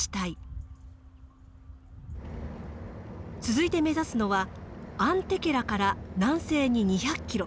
続いて目指すのはアンテケラから南西に２００ｋｍ。